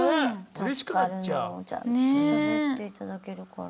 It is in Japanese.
助かるのよちゃんとしゃべっていただけるから。